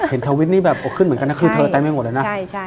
เห็นเทวิตนี้แบบขึ้นเหมือนกันนะคือเธอแต่ไม่หมดแล้วนะ